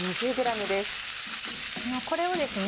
これをですね